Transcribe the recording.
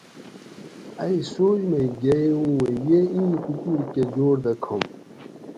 ائ سوچ مئ گیئ اُوں یہ اِیں کُکور کہ جوڑ دہ کھم